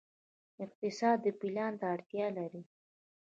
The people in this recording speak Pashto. اقتصاد پلان ته اړتیا لري